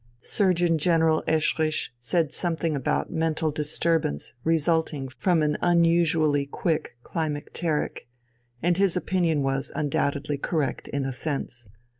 Surgeon General Eschrich said something about mental disturbance resulting from an unusually quick climacteric, and his opinion was undoubtedly correct in a sense.